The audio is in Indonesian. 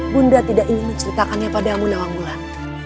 bunda tidak ingin menceritakannya padamu nama mulan